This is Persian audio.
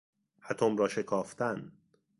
اتم را شکافتن